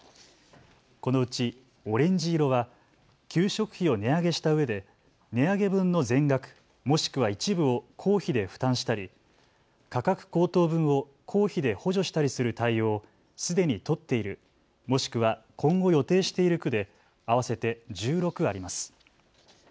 このうちオレンジ色は給食費を値上げしたうえで値上げ分の全額、もしくは一部を公費で負担したり価格高騰分を公費で補助したりする対応をすでに取っている、もしくは今後、予定している区で合わせて１６あります。